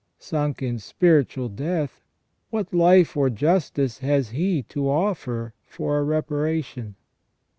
Sunk in spiritual death, what life or justice has he to offer for a reparation